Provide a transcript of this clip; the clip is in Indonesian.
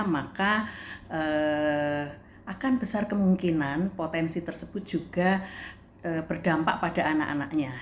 maka akan besar kemungkinan potensi tersebut juga berdampak pada anak anaknya